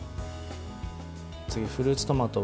次、フルーツトマト。